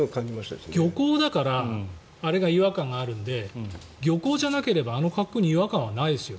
でも、漁港だからあれが違和感があるので漁港じゃなければあの格好に違和感はないですよ。